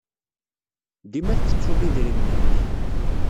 Dima tettettuḍ idrimen-nnek.